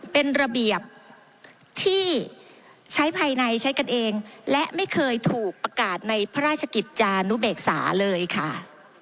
เป็นระเบียบที่ใช้ภายในใช้กันเองและไม่เคยถูกประกาศในพระราชกิจจานุเบกษาเลยค่ะ